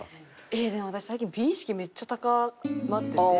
ええーでも私最近美意識めっちゃ高まってて。